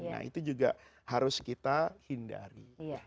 nah itu juga harus kita hindari